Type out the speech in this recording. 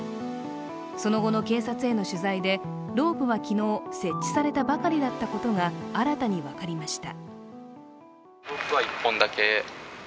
その後の警察への取材でロープは昨日、設置されたばかりだったことが新たに分かりました。